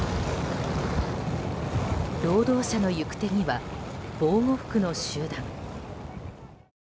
労働者の行く手には防護服の集団。